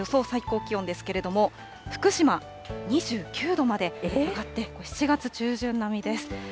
最高気温なんですけれども、福島２９度まで上がって、７月中旬並みです。